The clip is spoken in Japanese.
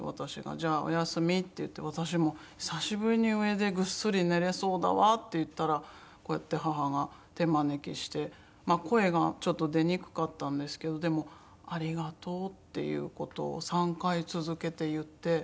「じゃあおやすみ」って言って「私も久しぶりに上でぐっすり寝れそうだわ」って言ったらこうやって母が手招きして声がちょっと出にくかったんですけどでも「ありがとう」っていう事を３回続けて言って。